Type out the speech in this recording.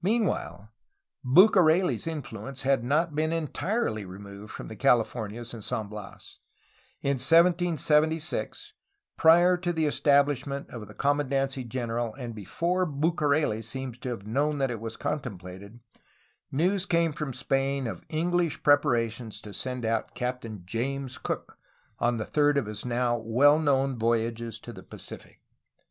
Meanwhile, Bucareh's influence had not been entirely removed from the CaHfornias and San Bias. In 1776, prior to the establishment of the commandancy general and before Bucareli seems to have known that it was contemplated, news came from Spain of English preparations to send out Captain James Cook on the third of his now well known voyages to the Pacific.